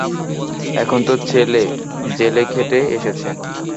এখন তো ছেলে জেল খেটে এসেছে।